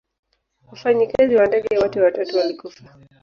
Wafanyikazi wa ndege wote watatu walikufa.